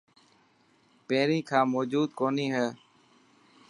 پهرين کان موجون ڪوني هي.